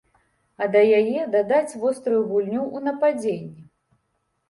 А да яе дадаць вострую гульню ў нападзенні.